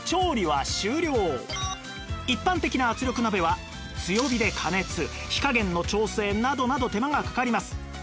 一般的な圧力鍋は強火で加熱火加減の調整などなど手間がかかります